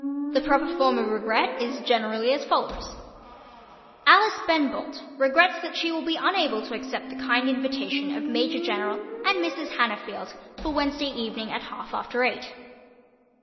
The proper form of "regret" is generally as follows: Alice Ben Bolt regrets that she will be unable to accept the kind invitation of Major General and Mrs. Hannafield for Wednesday evening at half after eight.